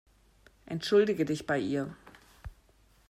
Entschuldige dich bei ihr.